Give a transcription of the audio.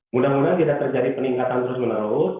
mudah mudahan tidak terjadi peningkatan terus menerus